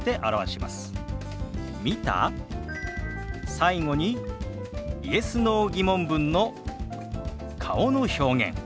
最後にＹｅｓ／Ｎｏ−疑問文の顔の表現。